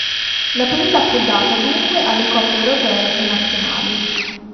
La priorità fu data, dunque, alle coppe europee e nazionali.